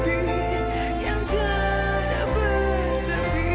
terima asetnya adalah bahwa dia unik